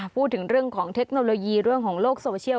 พูดถึงเรื่องของเทคโนโลยีเรื่องของโลกโซเชียล